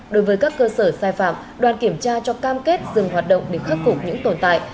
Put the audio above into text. đối với các cơ sở sai phạm đoàn kiểm tra cho cam kết dừng hoạt động để khắc phục những tồn tại